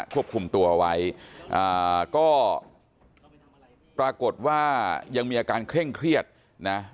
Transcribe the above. ควบคุมตัวไว้อ่าก็ปรากฏว่ายังมีอาการเคร่งเครียดนะ